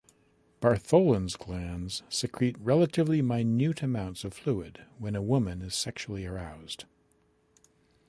Bartholin's glands secrete relatively minute amounts of fluid when a woman is sexually aroused.